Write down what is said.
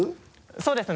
そうですね